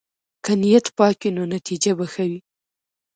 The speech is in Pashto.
که نیت پاک وي، نو نتیجه به ښه وي.